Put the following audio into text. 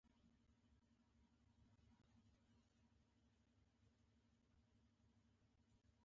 ایا ستاسو اختراع ګټوره نه ده؟